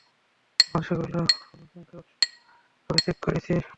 আমরা সেগুলো পুঙ্খানুপুঙ্খভাবে চেক করেছি।